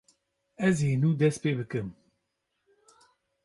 Ez hê nû dest pê dikim.